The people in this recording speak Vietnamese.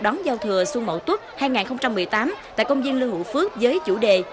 đón giao thừa xuân mậu tuất hai nghìn một mươi tám tại công viên lưu hữu phước với chủ đề